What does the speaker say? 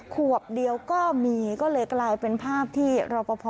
ขวบเดียวก็มีก็เลยกลายเป็นภาพที่รอปภ